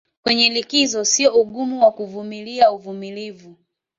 kwenye likizo sio ugumu wa kuvumilia uvumilivu